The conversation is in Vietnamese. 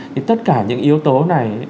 thì tất cả những yếu tố này